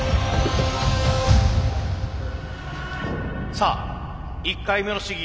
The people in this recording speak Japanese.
さあ１回目の試技